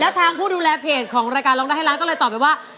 ทางผู้ดูแลเพจของรายการร้องได้ให้ร้านก็เลยตอบไปว่า